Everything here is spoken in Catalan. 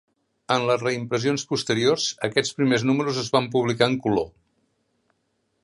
En les reimpressions posteriors, aquests primers números es van publicar en color.